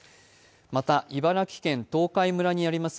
また、茨城県東海村にあります